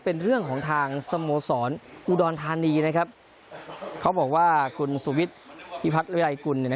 เป็นเรื่องของทางสโมสรอุดรธานีนะครับเขาบอกว่าคุณสุวิทย์พิพัฒน์วิรัยกุล